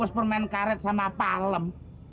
terus permain karet sama palem